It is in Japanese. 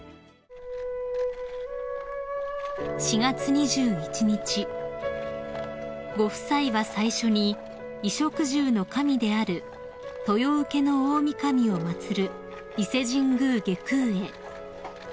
［４月２１日ご夫妻は最初に衣食住の神である豊受大御神を祭る伊勢神宮外宮へ］